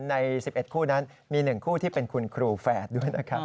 ใน๑๑คู่นั้นมี๑คู่ที่เป็นคุณครูแฝดด้วยนะครับ